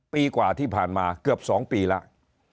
ปีกว่าที่ผ่านมาเกือบ๒ปีแล้ว